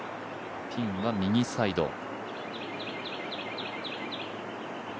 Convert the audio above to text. ピンは右サイド。